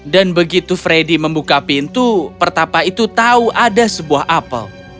dan begitu freddy membuka pintu pertapa itu tahu ada sebuah apel